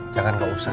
jangan gak usah